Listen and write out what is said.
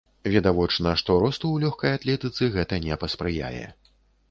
Відавочна, што росту ў лёгкай атлетыцы гэта не паспрыяе.